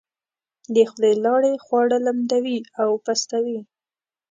د خولې لاړې خواړه لمدوي او پستوي.